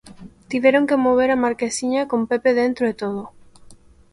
Tiveron que mover a marquesiña con Pepe dentro e todo.